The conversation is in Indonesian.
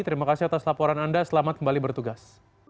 terima kasih atas laporan anda selamat kembali bertugas